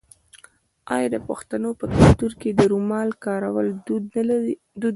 آیا د پښتنو په کلتور کې د رومال کارول دود نه دی؟